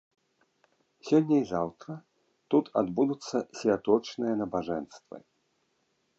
Сёння і заўтра тут адбудуцца святочныя набажэнствы.